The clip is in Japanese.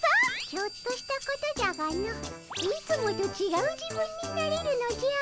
ちょっとしたことじゃがのいつもとちがう自分になれるのじゃ。